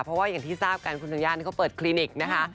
เพราะว่าอย่างที่ทราบกันคุณธัญญานี่เขาเปิดคลินิกนะคะ